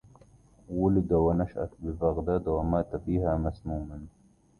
ولد ونشأ ببغداد، ومات فيها مسموماً،